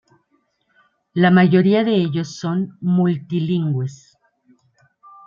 La mayoría de ellos son multilingües.